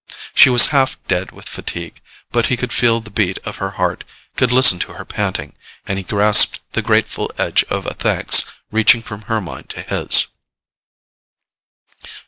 She was half dead with fatigue, but he could feel the beat of her heart, could listen to her panting, and he grasped the grateful edge of a thanks reaching from her mind to his.